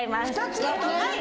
はい。